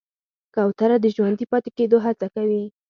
کوتره د ژوندي پاتې کېدو هڅه کوي.